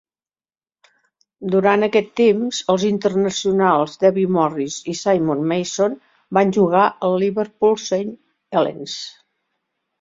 Durant aquest temps els internacionals Dewi Morris i Simon Mason van jugar al Liverpool Saint Helens.